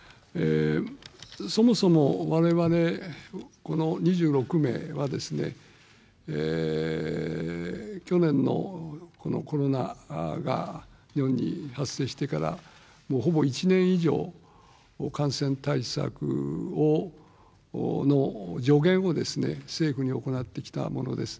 そもそもわれわれこの２６名は、去年のこのコロナが世に発生してから、もうほぼ１年以上、感染対策の助言を政府に行ってきたものです。